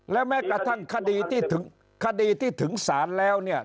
และแม้กระทั่งคดีที่ถึงคดีที่ถึงศาลแล้วเนี่ย